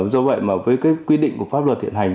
do vậy mà với cái quy định của pháp luật hiện hành